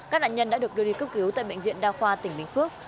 các nạn nhân đã được đưa đi cướp cứu tại bệnh viện đao khoa tỉnh bình phước